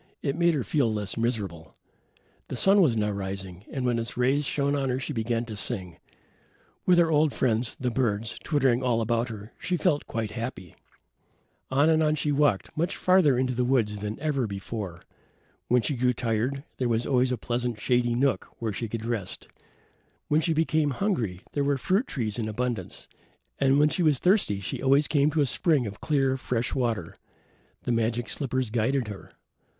It made her feel less miserable. The sun was now rising and when its rays shone on her she began to sing. With her old friends, the birds, twittering all about her, she felt quite happy. On and on she walked, much farther into the woods than ever before. When she grew tired there was always a pleasant shady nook where she could rest; when she became hungry, there were fruit trees in abundance; and when she was thirsty she always came to a spring of clear, fresh water. The magic slippers guided her.